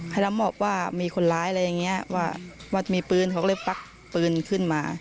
ให้เรามอบว่ามีคนร้ายอะไรอย่างนี้ว่ามีปืนเขาก็เลยปักปืนขึ้นมา